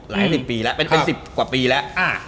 หลายสิบปีแล้วเป็น๑๐กว่าปีแล้ว